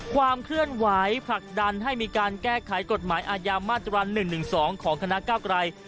ความเคลื่อนไหวผลักดันให้มีการแก้ไขกฎหมายอายามมาตรวรรค์หนึ่งหนึ่งสองของคณะเก้าไกร